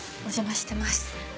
お邪魔してます。